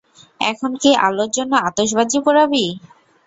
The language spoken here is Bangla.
এখন কি আলোর জন্য আতশবাজি পোড়াবি?